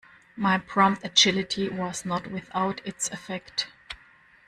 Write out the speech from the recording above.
My prompt agility was not without its effect.